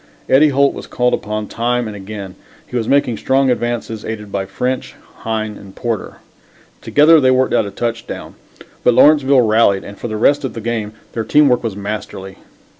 Eddie Holt was called upon time and again. He was making strong advances, aided by French, Hine and Porter. Together they worked out a touchdown. But Lawrenceville rallied and for the rest of the game their teamwork was masterly.